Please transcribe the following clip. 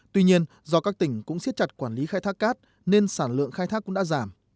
tuy nhiên do các tỉnh cũng xiết chặt quản lý khai thác cát nên sản lượng khai thác cũng đã giảm